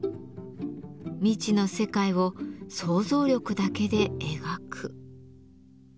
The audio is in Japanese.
未知の世界を想像力だけで描く。